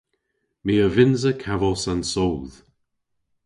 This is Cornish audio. My a vynnsa kavos an soodh!